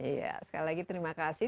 iya sekali lagi terima kasih